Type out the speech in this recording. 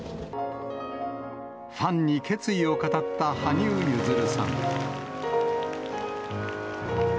ファンに決意を語った羽生結弦さん。